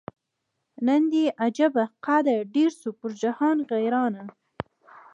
نن دي عجبه قدر ډېر سو پر جهان غیرانه